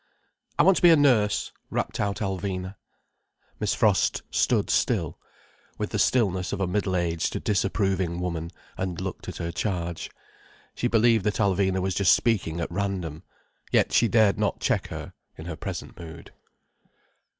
"I want to be a nurse," rapped out Alvina. Miss Frost stood still, with the stillness of a middle aged disapproving woman, and looked at her charge. She believed that Alvina was just speaking at random. Yet she dared not check her, in her present mood.